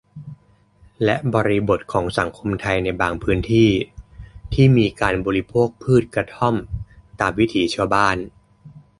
และบริบทของสังคมไทยในบางพื้นที่ ที่มีการบริโภคพืชกระท่อมตามวิถีชาวบ้าน